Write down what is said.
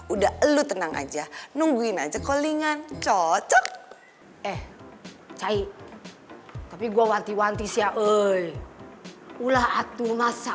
udah lu tenang aja nungguin aja callingan cocok eh cahy tapi gua wanti wanti siya ui ulah atuh masa